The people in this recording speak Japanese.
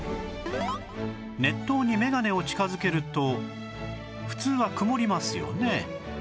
熱湯にメガネを近づけると普通は曇りますよね？